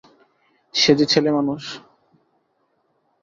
সে যে ছেলেমানুষ।